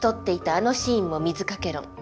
あのシーンも水掛け論。